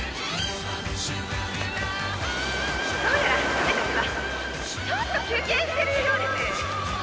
「サメたちはちょっと休憩しているようです。